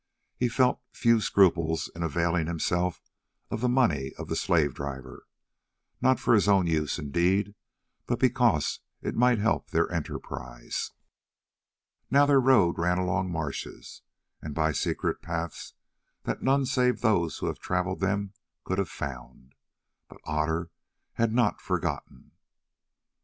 He felt few scruples in availing himself of the money of the slave driver, not for his own use indeed, but because it might help their enterprise. Now their road ran along marshes and by secret paths that none save those who had travelled them could have found. But Otter had not forgotten.